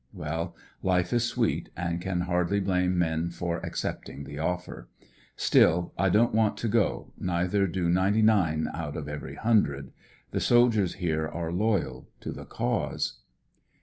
Well, life is sweet, and can hardly blame men for accepting the offer; still, I don't want to go, neither do ninety nine out of every hundred. The soldiers here are loyal to the cause.